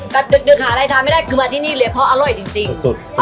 แต่ดึกหาอะไรทานไม่ได้คือมาที่นี่เลยเพราะอร่อยจริงสุด